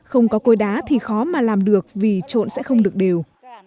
không có cối đá thì khó mà làm được vì trộn sẽ không được đều